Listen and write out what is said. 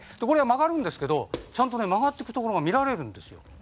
これが曲がるんですけどちゃんと曲がってくところが見られるんですよ